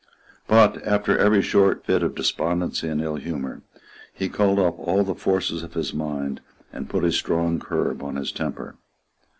But, after every short fit of despondency and ill humour, he called up all the force of his mind, and put a strong curb on his temper.